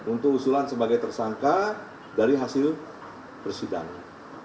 untuk usulan sebagai tersangka dari hasil persidangan